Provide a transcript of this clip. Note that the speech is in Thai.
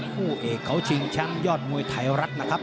คู่เอกเขาชิงแชมป์ยอดมวยไทยรัฐนะครับ